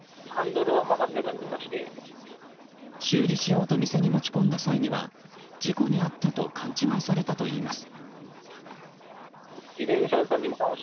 修理しようと店に持ち込んだ際には事故に遭ったと勘違いされたといいます。